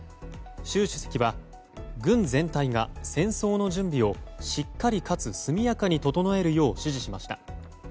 習主席は軍全体が戦争の準備をしっかりかつ速やかに整えるよう指示しました。